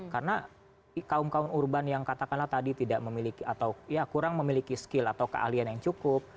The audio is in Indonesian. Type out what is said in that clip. karena kaum kaum urban yang katakanlah tadi tidak memiliki atau ya kurang memiliki skill atau keahlian yang cukup